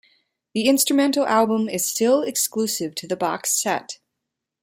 The instrumental album is still exclusive to the box set.